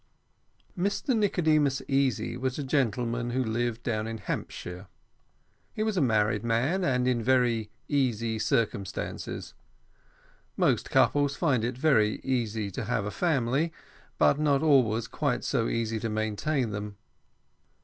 Mr Nicodemus Easy was a gentleman who lived down in Hampshire; he was a married man, and in very easy circumstances. Most couples find it very easy to have a family, but not always quite so easy to maintain them.